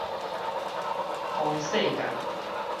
通世界